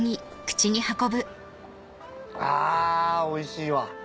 あおいしいわ。